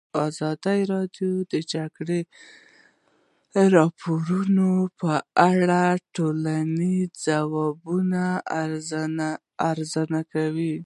ازادي راډیو د د جګړې راپورونه په اړه د ټولنې د ځواب ارزونه کړې.